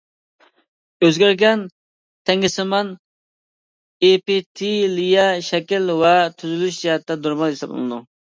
ئۆزگەرگەن تەڭگىسىمان ئېپىتېلىيە شەكىل ۋە تۈزۈلۈش جەھەتتىن نورمال ھېسابلىنىدۇ.